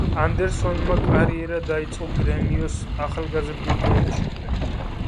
ანდერსონმა კარიერა დაიწყო „გრემიოს“ ახალგაზრდულ გუნდში.